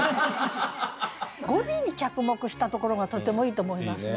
語尾に着目したところがとてもいいと思いますね。